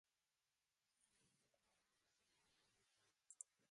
They recorded the title track "Absolutamente" as a duet.